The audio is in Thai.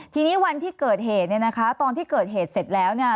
ทีนี้วันที่เกิดเหตุเนี่ยนะคะตอนที่เกิดเหตุเสร็จแล้วเนี่ย